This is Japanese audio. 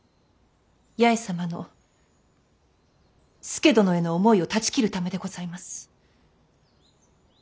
八重様の佐殿への思いを断ち切るためでございます。